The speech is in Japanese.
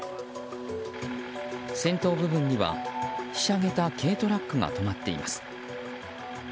先頭部分には、ひしゃげた軽トラックが止まっています。